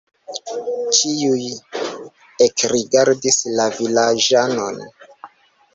Ĉiuj ekrigardis la vilaĝanon.